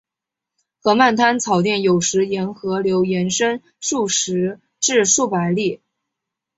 河漫滩草甸有时沿河流延伸数十至数百公里。